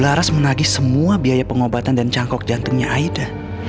laras menagi semua biaya pengobatan dan cangkok jantungnya aida